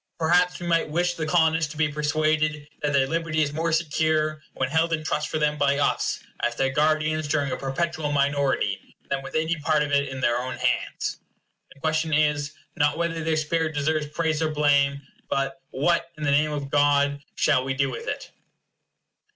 Perhaps we might wish the Colonists to be persuaded that their liberty is more secure when held in trust for them by us, as their guardians during a perpetual minority, than with any part of it in their own hands. The question is, not whether their spirit deserves praise or blame, but what, in the name of God, shall we do with it?